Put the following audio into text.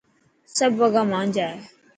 سب وڳا مانجا هي.